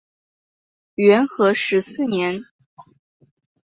元和十四年。